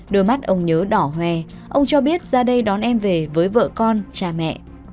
đôi mắt ông nhớ đỏ hòe ông cho biết ra đây đón em về với vợ con cha mẹ